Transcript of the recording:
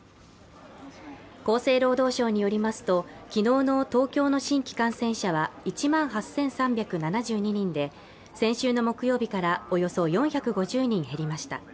厚生労働省によりますと昨日の東京の新規感染者は１万８３７２人で先週の木曜日からおよそ４５０人減りました。